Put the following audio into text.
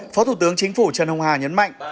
phó thủ tướng chính phủ trần hồng hà nhấn mạnh